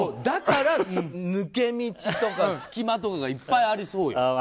だから抜け道とか隙間とかがいっぱいありそうよ。